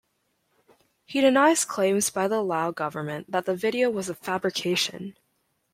He denies claims by the Lao government that the video was a fabrication.